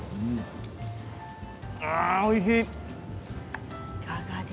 ああ、おいしい！